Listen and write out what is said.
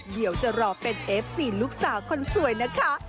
เดี๋ยวจะรอเป็นเอฟซีลูกสาวคนสวยนะคะ